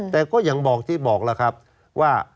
แต่ก็อย่างบอกที่บอกแล้วครับว่า